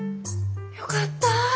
よかった。